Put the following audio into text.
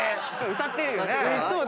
歌ってるよね。